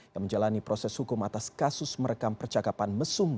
yang menjalani proses hukum atas kasus merekam percakapan mesum